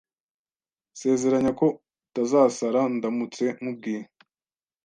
Nsezeranya ko utazasara ndamutse nkubwiye.